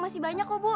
masih banyak bu